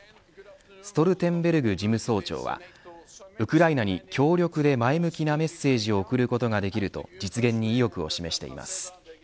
ストルテンベルグ事務総長はウクライナに協力で前向きなメッセージを送ることができると実現に意欲を示しています。